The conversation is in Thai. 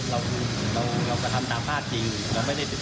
ในหมู่บ้านเราก็ไม่ได้ไปร้านชัย